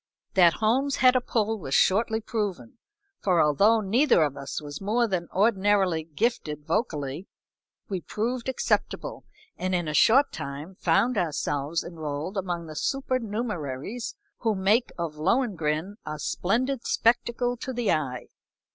That Holmes had a pull was shortly proven, for although neither of us was more than ordinarily gifted vocally, we proved acceptable and in a short time found ourselves enrolled among the supernumeraries who make of "Lohengrin" a splendid spectacle to the eye.